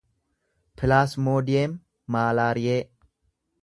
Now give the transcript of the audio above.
pilaasmoodiyem maalaariyee